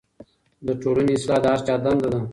د ټولنې اصلاح د هر چا دنده ده.